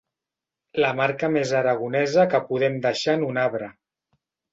La marca més aragonesa que podem deixar en un arbre.